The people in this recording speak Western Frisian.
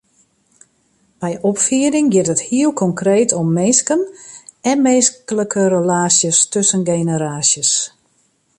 By opfieding giet it heel konkreet om minsken en minsklike relaasjes tusken generaasjes.